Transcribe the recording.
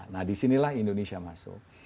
nah disinilah indonesia masuk